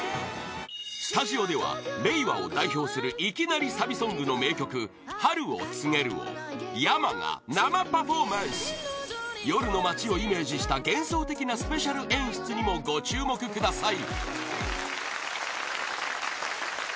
スタジオでは令和を代表するいきなりサビソングの名曲「春を告げる」をｙａｍａが生パフォーマンス夜の街をイメージした幻想的なスペシャル演出にもご注目ください